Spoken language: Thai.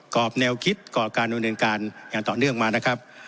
อบแนวคิดก่อการดำเนินการอย่างต่อเนื่องมานะครับ